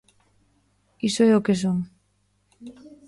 Iso é o que son.